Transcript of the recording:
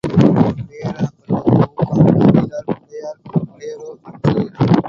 உடைய ரெனப்படுவது ஊக்கம் அஃதிலார் உடையார் உடையரோ மற்று.